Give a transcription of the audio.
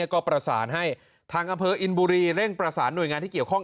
ก็ประสานให้ทางอำเภออินบุรีเร่งประสานหน่วยงานที่เกี่ยวข้อง